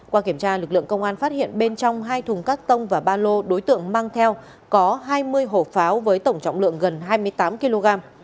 qua kiểm tra lực lượng công an phát hiện bên trong hai thùng cắt tông và ba lô đối tượng mang theo có hai mươi hộp pháo với tổng trọng lượng gần hai mươi tám kg